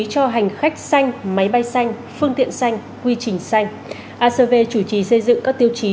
cho hành khách xanh máy bay xanh phương tiện xanh quy trình xanh acv chủ trì xây dựng các tiêu chí